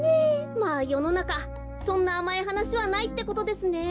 まあよのなかそんなあまいはなしはないってことですね。